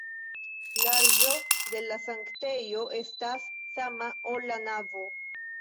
Larĝo de la sanktejo estas sama, ol la navo.